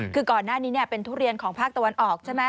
คือก่อนหน้านี้เป็นทุเรียนของภาคตะวันออกใช่ไหม